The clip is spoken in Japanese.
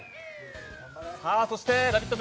そして「ラヴィット！」